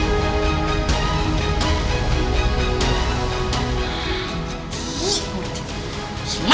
aku akan hebat di setiap seni